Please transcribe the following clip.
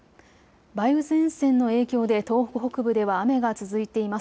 梅雨前線の影響で東北北部では雨が続いています。